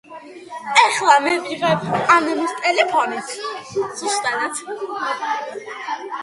პრეზიდენტის ბრძანების შესაბამისად, საგანმანათლებლო დაწესებულება ქვეყნის უმაღლესი საგანმანათლებლო ინსტიტუტია.